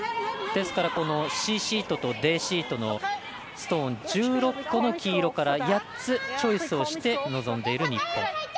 ですから、ＣシートとＤシートのストーン１６個の黄色から８つチョイスをして臨んでいる日本。